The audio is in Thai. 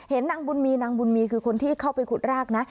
นางบุญมีนางบุญมีคือคนที่เข้าไปขุดรากนะ